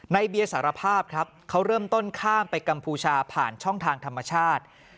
เบียร์สารภาพครับเขาเริ่มต้นข้ามไปกัมพูชาผ่านช่องทางธรรมชาติ